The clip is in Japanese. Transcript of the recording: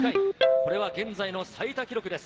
これは現在の最多記録です。